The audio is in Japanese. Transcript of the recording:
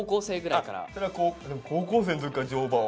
でも高校生の時から乗馬を。